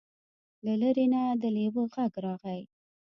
له لرې نه د لیوه غږ راغی.